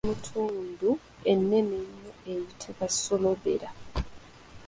Ssemutundu ennene ennyo eyitibwa Solobera.